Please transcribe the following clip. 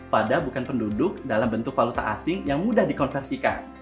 pada bukan penduduk dalam bentuk valuta asing yang mudah dikonversikan